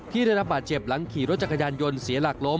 ได้รับบาดเจ็บหลังขี่รถจักรยานยนต์เสียหลักล้ม